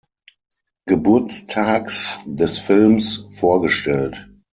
Geburtstags des Films vorgestellt.